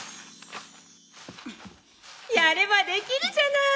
やればできるじゃない。